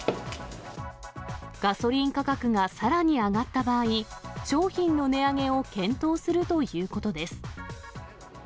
ガソリン価格がさらに上がった場合、商品の値上げを検討するということです。